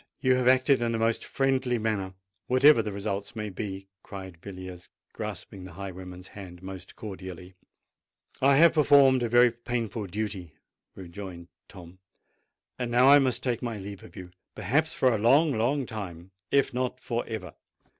You have acted in a most friendly manner—whatever the result may be!" cried Villiers, grasping the highwayman's hand most cordially. "I have performed a very painful duty," rejoined Tom: "and now I must take my leave of you—perhaps for a long, long time—if not for ever."